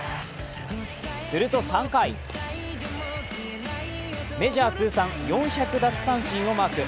すると３回、メジャー通算４００奪三振をマーク。